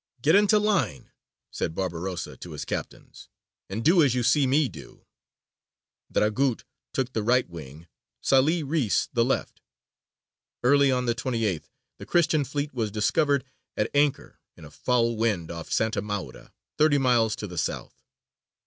"Get into line," said Barbarossa to his captains, "and do as you see me do." Dragut took the right wing, Sālih Reïs the left. Early on the 28th the Christian fleet was discovered at anchor, in a foul wind, off Santa Maura, thirty miles to the south.